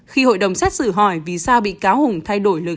khi hội đồng xét xử lương văn hùng khai trong thời gian bị giam giữ